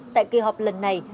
tại kỳ họp lần này